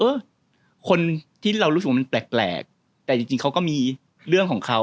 เออคนที่เรารู้สึกว่ามันแปลกแต่จริงเขาก็มีเรื่องของเขา